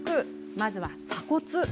まずは鎖骨。